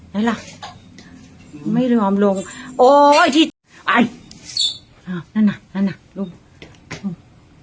ได้ล่ะไม่เริ่มลงโอ้ยไอ้อ่านั่นน่ะนั่นน่ะลูก